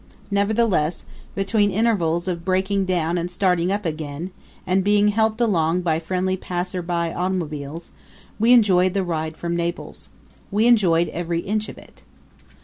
Nevertheless, between intervals of breaking down and starting up again, and being helped along by friendly passer by automobiles, we enjoyed the ride from Naples. We enjoyed every inch of it.